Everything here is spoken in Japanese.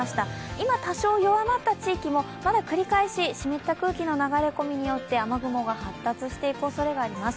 今、多少弱まった地域もまだ繰り返し、湿った空気の流れ込みによって雨雲が発達していくおそれがあります。